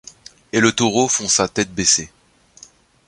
Et le taureau fonça tête baissée